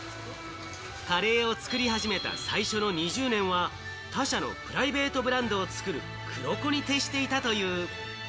カレーを作り始めた最初の２０年は、他社のプライベートブランドを作る黒子に徹していたという。